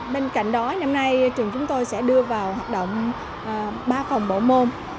bên cạnh đó năm nay trường chúng tôi sẽ đưa vào hoạt động ba phòng bộ môn